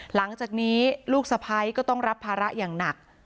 หลังจากนี้ลูกสะพ้ายก็ต้องรับภาระอย่างหนัก